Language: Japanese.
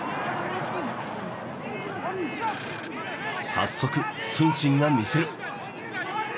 早速承信が見せる。